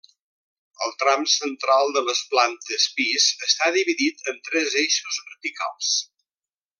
El tram central de les plantes pis està dividit en tres eixos verticals.